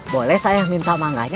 boleh saya minta mangganya